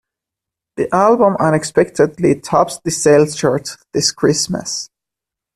The album unexpectedly tops the sales chart this Christmas.